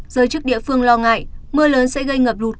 giới chức địa phương lo ngại mưa lớn sẽ gây ngập lụt